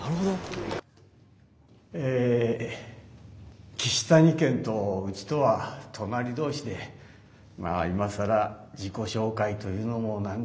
え岸谷研とうちとは隣同士でまあ今更自己紹介というのもなんですが。